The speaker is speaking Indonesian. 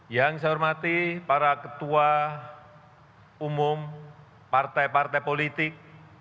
yang saya hormati para ketua umum partai partai politik